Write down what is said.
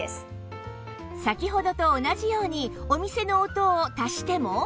先ほどと同じようにお店の音を足しても